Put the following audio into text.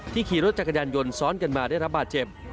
ขี่รถจักรยานยนต์ซ้อนกันมาได้รับบาดเจ็บ